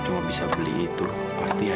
kok sepi sih